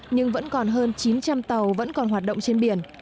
nhưng vẫn còn hơn chín trăm linh tàu vẫn còn hoạt động trên biển